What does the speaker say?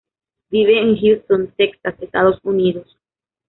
Vive en Houston, Texas, Estados Unidos.